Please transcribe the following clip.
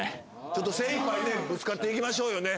ちょっと精いっぱいねぶつかっていきましょうよね